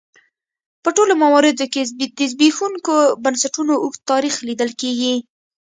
په ټولو مواردو کې د زبېښونکو بنسټونو اوږد تاریخ لیدل کېږي.